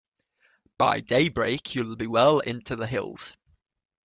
By daybreak you’ll be well into the hills.